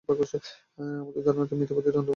আমাদের ধারণা, তুমি মিথ্যাবাদীদের অন্তর্ভুক্ত।